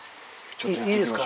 ちょっといいですか。